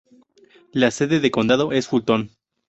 La sede de condado es Fulton.